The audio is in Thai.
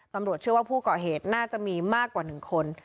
ตำรวจเชื่อว่าผู้ก่อเหตุน่าจะมีมากกว่า๑คน